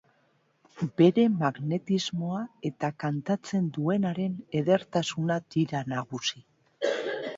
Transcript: Bere magnetismoa eta kantatzen duenaren edertasuna dira nagusi.